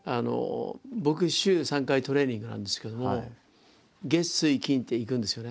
僕週３回トレーニングなんですけども月水金って行くんですよね。